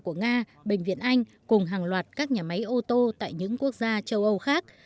các doanh nghiệp của nga bệnh viện anh cùng hàng loạt các nhà máy ô tô tại những quốc gia châu âu khác